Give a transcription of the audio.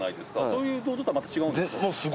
そういう銅像とはまた違うんですか？